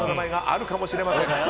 あるかもしれません。